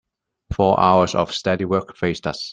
Four hours of steady work faced us.